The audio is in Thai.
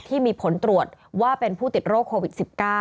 ที่มีผลตรวจว่าเป็นผู้ติดโรคโควิด๑๙